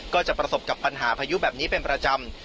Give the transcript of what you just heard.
ก็จะประสบกับปัญหาพายุแบบนี้เป็นประจำ